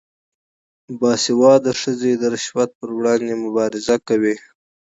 باسواده ښځې د رشوت پر وړاندې مبارزه کوي.